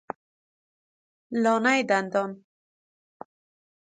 لانه دندان